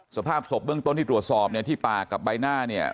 สภาพศพเบื้องต้นที่ตรวจสอบเนี่ยที่ปากกับใบหน้าเนี่ย